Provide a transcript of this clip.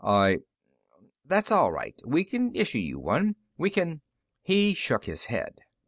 "I " "That's all right; we'll issue you one. We can " He shook his head.